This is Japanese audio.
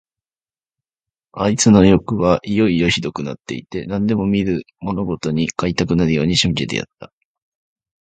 あいつのよくはいよいよひどくなって行って、何でも見るものごとに買いたくなるように仕向けてやった。